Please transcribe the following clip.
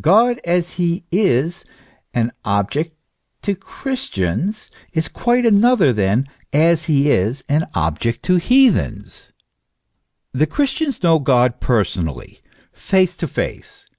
God as he is an object to the Christians, is quite another than as he is an object to the heathens. The Christians know God personally, face to face.